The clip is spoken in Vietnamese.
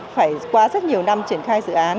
phải qua rất nhiều năm triển khai dự án